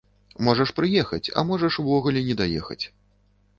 Можаш прыехаць, а можаш увогуле не даехаць.